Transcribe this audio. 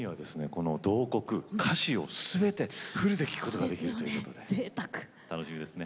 この「慟哭」歌詞をすべてフルで聴くことができるということで楽しみですね。